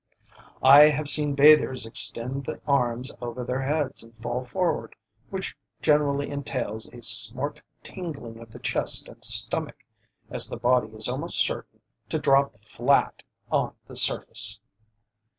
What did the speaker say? I have seen bathers extend the arms over their heads and fall forward, which generally entails a smart tingling of the chest and stomach, as the body is almost certain to drop flat on the surface.